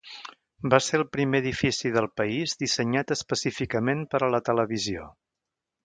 Va ser el primer edifici del país dissenyat específicament per a la televisió.